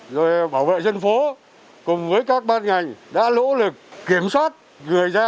rồi bảo vệ dân phố cùng với các ban ngành đã lỗ lực kiểm soát người ra